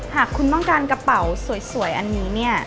หากคุณต้องการกระเป๋าสวยอันนี้เนี่ย